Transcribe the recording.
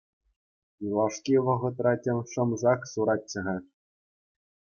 Юлашки вӑхӑтра тем шӑм-шак суратчӗ-ха.